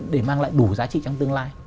để mang lại đủ giá trị trong tương lai